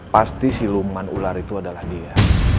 pasti si luman ular itu adalah dia